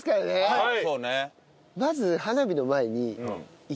はい。